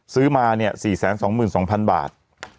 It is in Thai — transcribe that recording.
ซื้อมาเนี่ย๔๒๒๐๐๐บาท